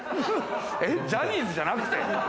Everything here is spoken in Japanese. ジャニーズじゃなくて？